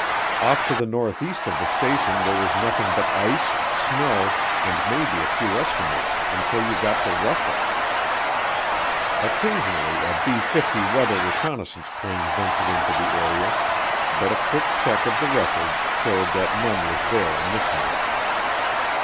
Off to the northeast of the station there was nothing but ice, snow, and maybe a few Eskimos until you got to Russia. Occasionally a B 50 weather reconnaissance plane ventured into the area, but a quick check of the records showed that none was there on this night.